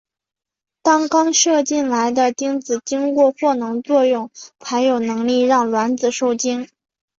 当刚射进来的精子经过获能作用才有能力让卵子授精。